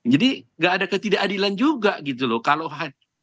jadi gak ada ketidakadilan juga gitu loh